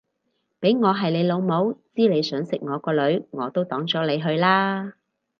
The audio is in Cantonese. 俾我係老母知你想食我個女我都擋咗你去啦